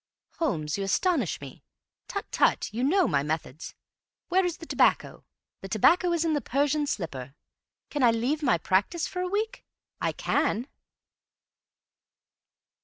Holmes, you astonish me. Tut, tut, you know my methods. Where is the tobacco? The tobacco is in the Persian slipper. Can I leave my practice for a week? I can."